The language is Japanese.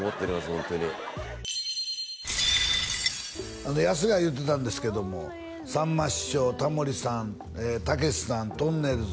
ホントにやすが言うてたんですけどもさんま師匠タモリさんたけしさんとんねるず